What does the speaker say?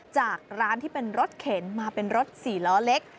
จากร้านที่เป็นรถเข็นมาเป็นรถ๔ล้อเล็ก